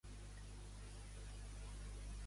Per tant, Cunorix equival al nom Cynric?